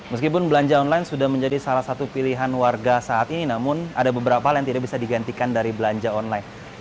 meskipun belanja online sudah menjadi salah satu pilihan warga saat ini namun ada beberapa hal yang tidak bisa digantikan dari belanja online